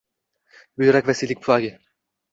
Buyrak va siydik pufagi;